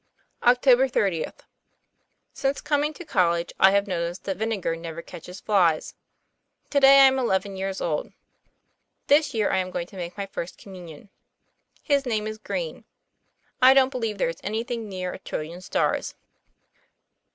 OCT. 3OTH. Since coming to college I have notised that vini ger never catches flys. To day I am eleven years old. This year I am going to make my First Communion. His name is Green. I don't believe there is anything near a trillion stars.